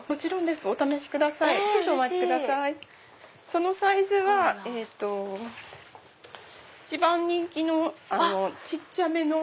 そのサイズは一番人気の小っちゃめの。